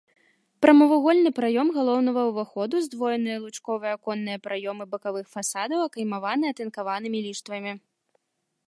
Прамавугольны праём галоўнага ўвахода, здвоеныя лучковыя аконныя праёмы бакавых фасадаў акаймаваны атынкаванымі ліштвамі.